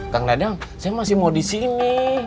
kang dadang saya masih mau disini